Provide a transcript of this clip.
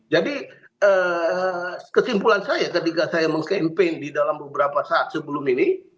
jadi kesimpulan saya ketika saya mengkampen di dalam beberapa saat sebelum ini